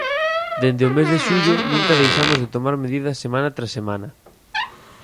Dende o mes de xullo nunca deixamos de tomar medidas semana tras semana.